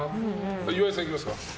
岩井さん、いきますか。